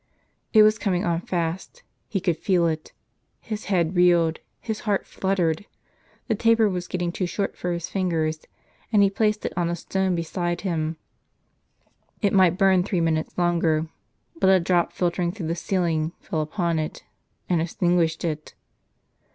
It was coming on fast ; he could feel it ; his head reeled, his heart fluttered. The taper was getting too short for his fingers, and he placed it on a stone beside him. It might burn three minutes longer ; but a drop filtering through the ceiling, fell upon it, and extinguished it.